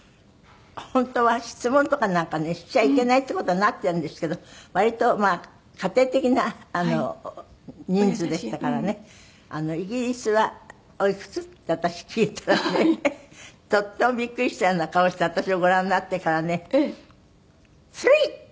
本当は質問とかなんかねしちゃいけないって事になってるんですけど割と家庭的な人数でしたからね「イギリスはおいくつ？」って私聞いたらねとてもビックリしたような顔して私をご覧になってからね「３」って。